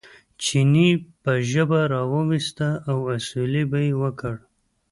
چیني به ژبه را وویسته او اسوېلی به یې وکړ.